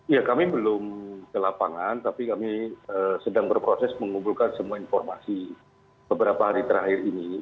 ya kami belum ke lapangan tapi kami sedang berproses mengumpulkan semua informasi beberapa hari terakhir ini